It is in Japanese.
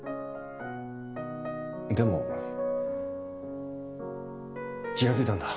でも気が付いたんだ。